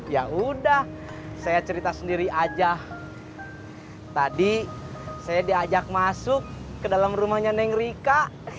ya udah saya cerita sendiri aja tadi saya diajak masuk ke dalam rumahnya neng rika